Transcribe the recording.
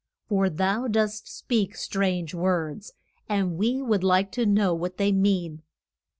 For thou dost speak strange words, and we would like to know what they mean.